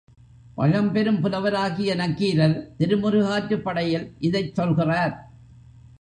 பழம்பெரும் புலவராகிய நக்கீரர் திருமுருகாற்றுப்படையில் இதைச் சொல்கிறார்.